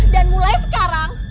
dan mulai sekarang